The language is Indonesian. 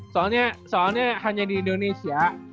soalnya soalnya hanya di indonesia